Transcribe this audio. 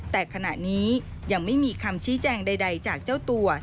แต่ขณะนี้ยังไม่มีคำชี้แจงใดจากเจ้าตัว